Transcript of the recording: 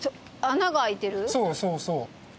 そうそうそう。